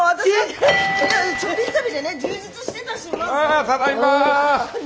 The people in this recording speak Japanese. あただいま。